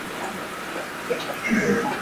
沙田广场商场设于一楼。